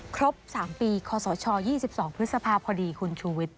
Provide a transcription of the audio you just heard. ครบ๓ปีคศ๒๒พฤษภาพพอดีคุณชูวิทย